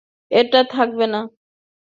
এটা থাকবে না।